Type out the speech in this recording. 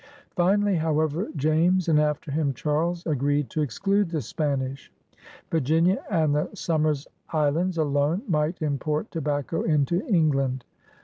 Finally, however, James and alter him Charles, agreed to exclude the Spanish. Virginia and the Somers Islands alone might import tobacco into England.